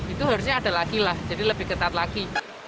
itu harusnya ada lagi lah jadi lebih ketat lagi